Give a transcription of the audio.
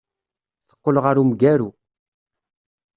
Teqqel ɣer umgaru.